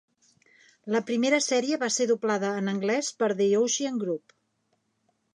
La primera sèrie va ser doblada en anglès per The Ocean Group.